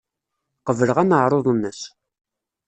Qebleɣ aneɛruḍ-nnes.